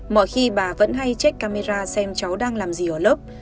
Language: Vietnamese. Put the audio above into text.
mọi khi bà vẫn hay trích camera xem cháu đang làm gì ở lớp